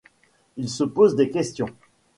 Il se pose des questions.